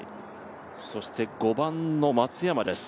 そして５番の松山です。